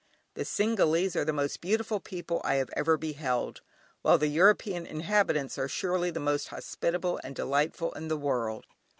The Singalese are the most beautiful people I have ever beheld, while the European inhabitants are surely the most hospitable and delightful in the world.